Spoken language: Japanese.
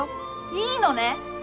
いいのね？